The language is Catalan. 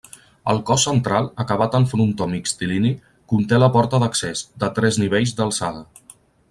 El cos central, acabat en frontó mixtilini, conté la porta d'accés, de tres nivells d'alçada.